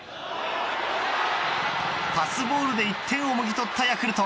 パスボールで１点をもぎ取ったヤクルト。